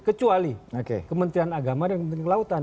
kecuali kementerian agama dan kementerian kelautan